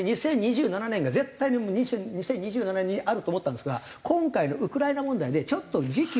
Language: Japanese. ２０２７年が絶対に２０２７年にあると思ったんですが今回のウクライナ問題でちょっと時期。